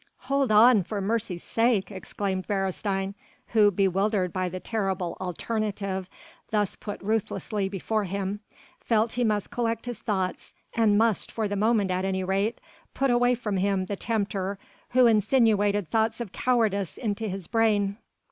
"Hold on for mercy's sake," exclaimed Beresteyn, who bewildered by the terrible alternative thus put ruthlessly before him, felt that he must collect his thoughts, and must for the moment at any rate put away from him the tempter who insinuated thoughts of cowardice into his brain.